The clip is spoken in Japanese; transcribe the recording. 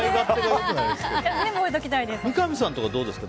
三上さんとかはどうですか？